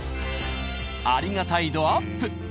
ありがたい度アップ！